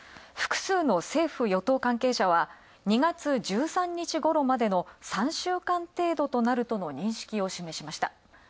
複数の政府与党関係者は２月１３日ごろまでの３週間程度となると認識を示しました。